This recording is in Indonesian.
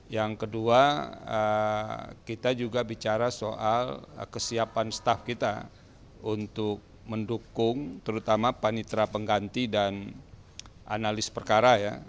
yang kedua kita juga bicara soal kesiapan staff kita untuk mendukung terutama panitra pengganti dan analis perkara ya